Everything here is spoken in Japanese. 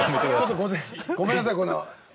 ごめんなさいこんな。